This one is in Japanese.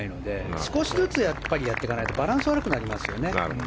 少しずつやっていかないとバランス悪くなりますよね。